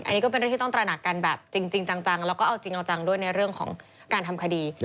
อันนี้ก็เป็นเรื่องที่ต้องตระหนักกันแบบจริงจังแล้วก็เอาจริงเอาจังด้วยในเรื่องของการทำคดี